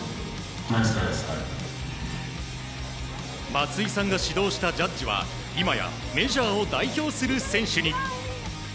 松井さんが指導したジャッジは今や、メジャーを代表する選手に。